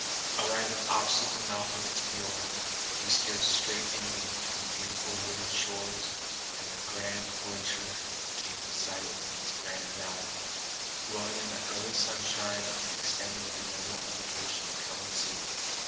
Arriving opposite the mouth of its fiord, we steered straight inland between beautiful wooded shores, and the grand glacier came in sight in its granite valley, glowing in the early sunshine and extending a noble invitation to come and see.